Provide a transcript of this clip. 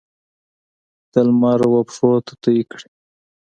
د لمر وپښوته توی کړي